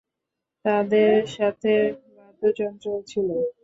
তাদের সাথে বাদ্যযন্ত্রও ছিল।